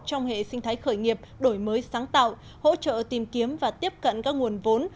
trong hệ sinh thái khởi nghiệp đổi mới sáng tạo hỗ trợ tìm kiếm và tiếp cận các nguồn vốn